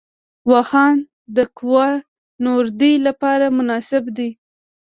واخان د کوه نوردۍ لپاره مناسب دی